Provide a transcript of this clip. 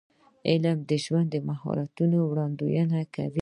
علم د ژوند مهارتونه وړاندې کوي.